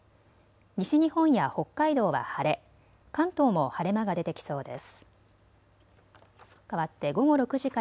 西日本や北海道は晴れ、関東も晴れ間が出てきそうです。